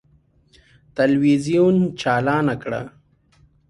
تلویزون چالانه کړه!